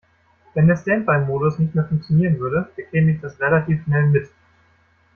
Wenn der Standby-Modus nicht mehr funktionieren würde, bekäme ich das relativ schnell mit.